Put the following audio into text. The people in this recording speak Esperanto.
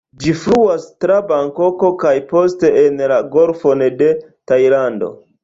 Ĝi fluas tra Bankoko kaj poste en la Golfon de Tajlando.